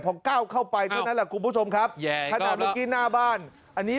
พอเก้าเข้าไปก็นั่นแหละคุณผู้ชมครับขนาดเมื่อกี้หน้าบ้าน